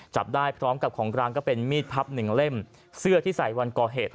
จับได้พร้อมกับของกลางก็เป็นมีดพับหนึ่งเล่มเสื้อที่ใส่วันก่อเหตุ